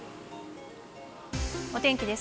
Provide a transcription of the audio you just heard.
お天気です。